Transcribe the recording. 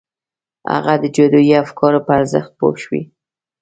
هغه د جادویي افکارو په ارزښت پوه شوی و